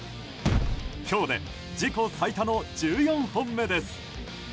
今日で自己最多の１４本目です。